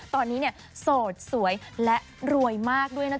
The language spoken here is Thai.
ตอนนี้โสดสวยและรวยมากด้วยนะคะ